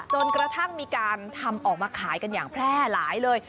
จนกระทั่งมีการทำออกมาขายกันอย่างแพร่หลายเลย